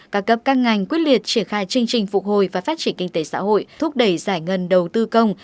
các cấp các ngành quyết liệt triển khai chương trình phục hồi và phát triển kinh tế xã hội thúc đẩy giải ngân đầu tư công